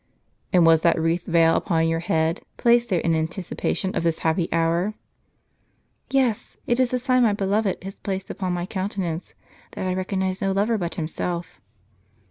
"And was that wreathed veil upon your head, placed there in anticipation of this happy hour?" "Yes; it is the sign my beloved has placed upon my countenance, that I recognize no lover but himself."